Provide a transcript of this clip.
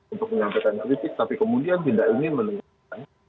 untuk menyampaikan kritik tapi kemudian tidak ingin mendengarkan